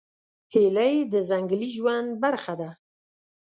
هیلۍ د ځنګلي ژوند برخه ده